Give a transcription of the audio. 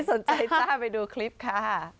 สนใจจ้าไปดูคลิปค่ะ